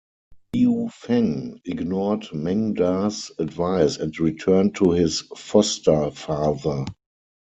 Liu Feng ignored Meng Da's advice and returned to his foster father.